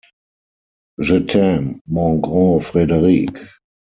je t’aime, mon gros Frédéric...